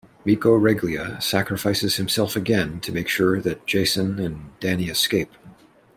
Miko Reglia sacrifices himself again to make sure that Jacen and Danni escape.